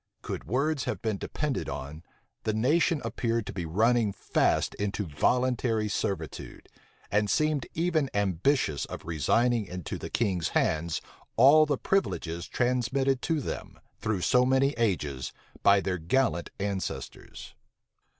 Could words have been depended on, the nation appeared to be running fast into voluntary servitude, and seemed even ambitious of resigning into the king's hands all the privileges transmitted to them, through so many ages, by their gallant ancestors.